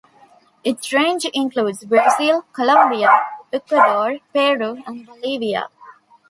Its range includes Brazil, Colombia, Ecuador, Peru, and Bolivia.